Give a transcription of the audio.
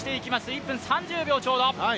１分３０秒ちょうど。